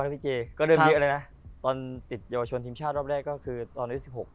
๒๙นะพี่เจ๊ก็เริ่มเยอะเลยนะตอนติดเยาวชนทีมชาติรอบแรกก็คือตอน๑๖